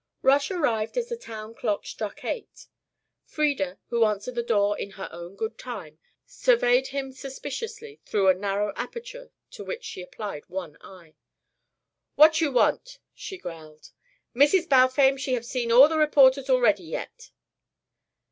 Rush arrived as the town clock struck eight. Frieda, who answered the door in her own good time, surveyed him suspiciously through a narrow aperture to which she applied one eye. "What you want?" she growled. "Mrs. Balfame she have seen all the reporters already yet."